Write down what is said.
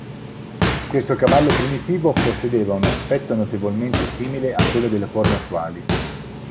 Questo cavallo primitivo possedeva un aspetto notevolmente simile a quello delle forme attuali.